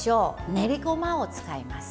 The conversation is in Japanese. ねりごまを使います。